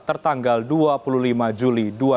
tertanggal dua puluh lima juli dua ribu enam belas